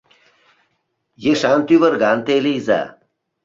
Ешан-тӱвырган те лийза!